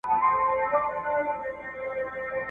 چي خپل کاروان مو د پردیو پر سالار سپارلی ..